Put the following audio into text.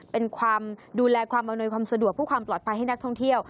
เป็นความดูแลความอำนวยความสะดวกเพื่อความปลอดภัยให้นักท่องเที่ยว